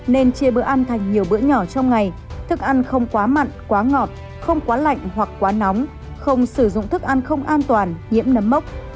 nên chia bữa ăn thành nhiều bữa nhỏ trong ngày thức ăn không quá mặn quá ngọt không quá lạnh hoặc quá nóng không sử dụng thức ăn không an toàn nhiễm nấm mốc